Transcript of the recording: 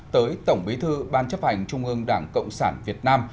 tới tổng bí thư ban chấp hành trung ương đảng cộng sản việt nam